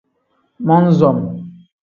Mon-som.